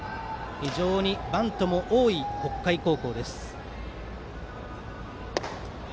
非常にバントも多い北海高校。